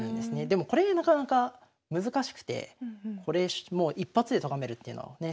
でもこれなかなか難しくてこれ一発でとがめるっていうのはね